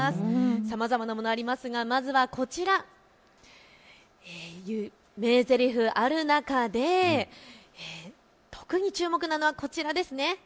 さまざまなものありますがまずはこちら、名ぜりふ、ある中で特に注目なのはこちらですね。